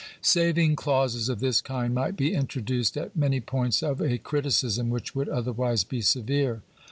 Saving clauses of this kind might be introduced at many points of a criticism which would otherwise be severe.